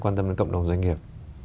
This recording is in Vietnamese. quan tâm đến cộng đồng doanh nghiệp